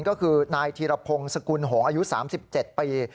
ก็คือนายธีรพงศ์สกุลหงศ์อายุสามสิบเจ็ดปี